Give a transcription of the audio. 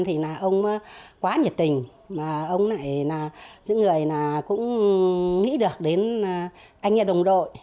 thì ông quá nhiệt tình mà ông này là những người cũng nghĩ được đến anh nhà đồng đội